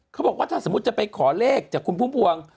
เขาบอกว่าถ้าสมมุติจะไปขอเลขจากคุณพุ่มพวง